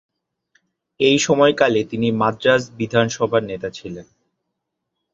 এই সময়কালে তিনি মাদ্রাজ বিধানসভার নেতা ছিলেন।